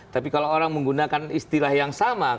tapi kalau orang menggunakan istilah yang sama